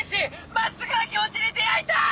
まっすぐな気持ちに出会いたい！